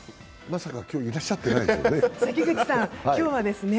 まさか今日、いらっしゃってないですよね？